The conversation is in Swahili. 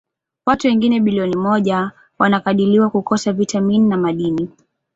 Watu wengine bilioni moja wanakadiriwa kukosa vitamini na madini.